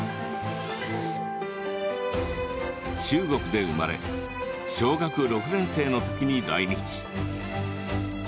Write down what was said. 中国で生まれ小学６年生の時に来日。